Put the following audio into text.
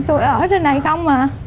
tôi ở trên này không mà